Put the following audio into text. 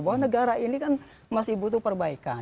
bahwa negara ini kan masih butuh perbaikan